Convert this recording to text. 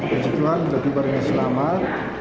terima kasih tuhan kita tiba dengan selamat